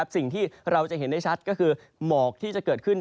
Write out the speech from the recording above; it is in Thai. สิ่งที่เราจะเห็นได้ชัดก็คือหมอกที่จะเกิดขึ้น